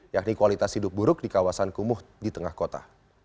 yakni kualitas hidup buruk di kawasan kumuh di tengah kota